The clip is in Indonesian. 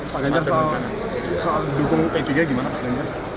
pak ganjar soal dukung p tiga gimana pak ganjar